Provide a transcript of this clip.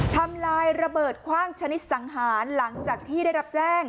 ทำลายระเบิดคว่างชนิดสังหารหลังจากที่ได้รับแจ้ง